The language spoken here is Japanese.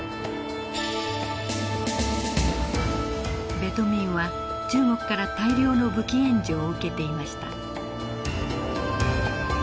ベトミンは中国から大量の武器援助を受けていました。